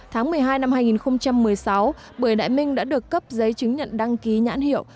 tháng một mươi hai năm hai nghìn một mươi sáu bưởi đại minh đã được cấp giấy chứng nhận đăng ký nhãn hiệu